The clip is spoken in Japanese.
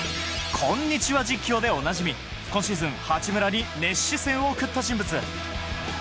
コンニチハ実況でおなじみ、今シーズン、八村に熱視線送った人物。